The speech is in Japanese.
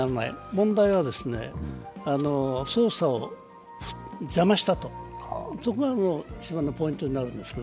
問題は、捜査を邪魔したと、そこが一番のポイントになるんです。